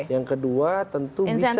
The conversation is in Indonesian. yang kedua tentu bisa